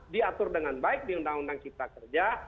diatur dengan baik di undang undang cipta kerja